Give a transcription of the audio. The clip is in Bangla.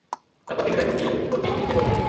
তারপর তিনি তাকে উল্টিয়ে উপর দিক নিচে করে দেন।